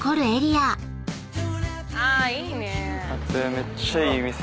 めっちゃいい店。